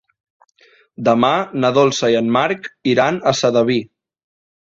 Demà na Dolça i en Marc iran a Sedaví.